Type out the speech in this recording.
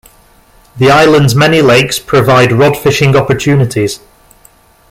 The island's many lakes provide rod fishing opportunities.